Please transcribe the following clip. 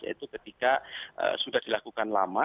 yaitu ketika sudah dilakukan lama